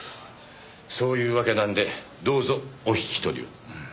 そういうわけなんでどうぞお引き取りを。